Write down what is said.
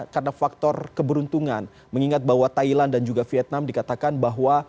karena faktor keberuntungan mengingat bahwa thailand dan juga vietnam dikatakan bahwa